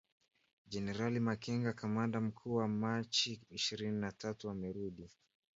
Jenerali Makenga kamanda mkuu wa Machi ishirni na tatu amerudi